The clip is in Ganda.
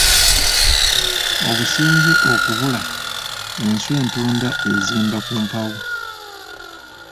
Obusenze okubula, enswa entunda ezimba ku mpawu.